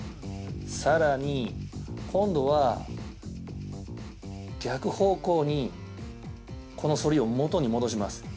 さらに、今度は、逆方向にこの反りを元に戻します。